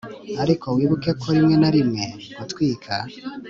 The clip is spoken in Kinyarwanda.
ariko wibuke ko rimwe na rimwe gutwika